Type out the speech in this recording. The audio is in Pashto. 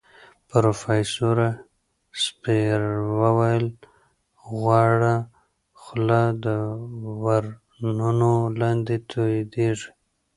پروفیسوره سپېر وویل غوړه خوله د ورنونو لاندې تولیدېږي.